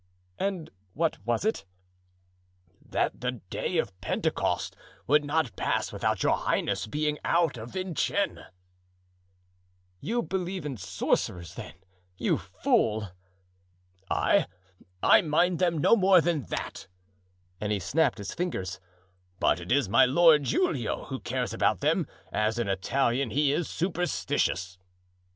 "And what was it?" "That the day of Pentecost would not pass without your highness being out of Vincennes." "You believe in sorcerers, then, you fool?" "I— I mind them no more than that——" and he snapped his fingers; "but it is my Lord Giulio who cares about them; as an Italian he is superstitious."